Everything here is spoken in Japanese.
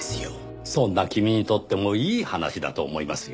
そんな君にとってもいい話だと思いますよ。